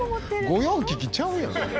「御用聞きちゃうやん」